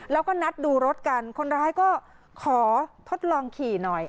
แล้วก็นัดดูรถกันคนร้ายก็ขอทดลองขี่หน่อย